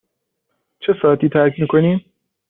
چه ساعتی ترک می کنیم؟